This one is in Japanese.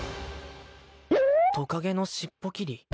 トカゲの尻尾切り？